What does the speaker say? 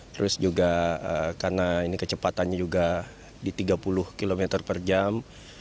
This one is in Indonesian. terus juga karena ini kecepatannya juga di tiga puluh km per jam